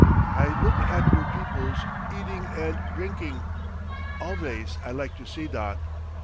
"I look at der peoples eading and drinking. Alvays I like to see dot.